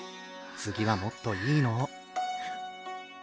次はもっといいのを。